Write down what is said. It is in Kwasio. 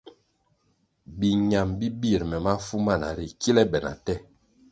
Biñam bi bir me mafu mana ri kile be na te.